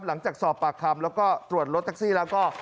หลังจากสอบปากคำแล้วก็ตรวจรถแท็กซี่แล้วก็